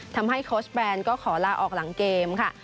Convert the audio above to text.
ทำให้โค้ชแบรนด์ก็ขอลาออกหลังเกมค่ะ